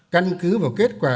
căn cứ vào kết quả